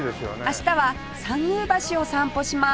明日は参宮橋を散歩します